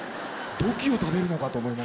土器を食べるのかと思いましたね。